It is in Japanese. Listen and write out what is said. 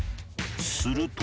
すると